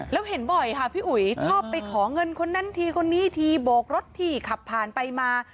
แล้วเห็นบ่อยค่ะพี่อุ๋ยชอบไปขอเงินคนนั้นทีคนนี้ทีโบกรถที่ขับผ่านไปมา